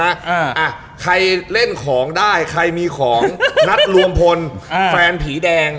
อ่าอ่ะใครเล่นของได้ใครมีของนัดรวมพลอ่าแฟนผีแดง